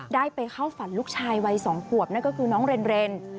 ได้ไปเข้าฝันลูกชายวัย๒ขวบนั่นก็คือน้องเรน